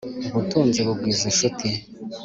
ubutunzi bugwiza incuti,